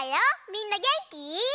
みんなげんき？